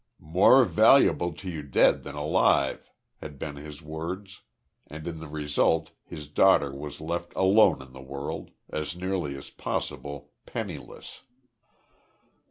"More valuable to you dead than alive," had been his words, and in the result his daughter was left alone in the world, as nearly as possible penniless.